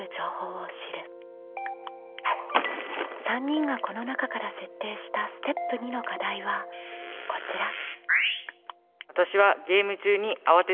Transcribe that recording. ３人がこの中から設定したステップ２の課題はこちら。